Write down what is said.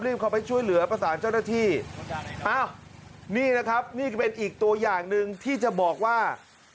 เข้าไปช่วยเหลือประสานเจ้าหน้าที่อ้าวนี่นะครับนี่ก็เป็นอีกตัวอย่างหนึ่งที่จะบอกว่า